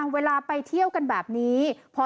เวลาไปเที่ยวกันแบบนี้